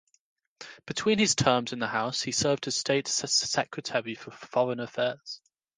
Between his terms in the House he served as State Secretary for Foreign Affairs.